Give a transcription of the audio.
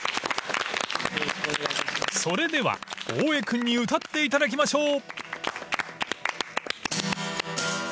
［それでは大江君に歌っていただきましょう］